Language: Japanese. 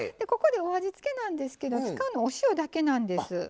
ここでお味付けなんですけど使うのお塩だけなんです。